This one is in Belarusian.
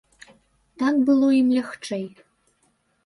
Так было ім лягчэй.